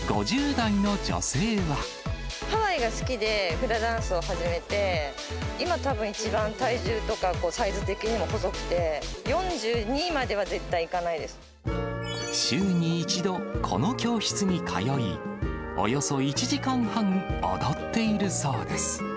ハワイが好きで、フラダンスを始めて、今、たぶん一番、体重とかサイズ的にも細くて、週に１度、この教室に通い、およそ１時間半踊っているそうです。